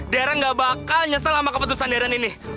deren ga bakal nyesel sama keputusan deren ini